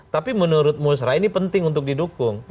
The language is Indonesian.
tapi menurut musrah ini penting untuk didukung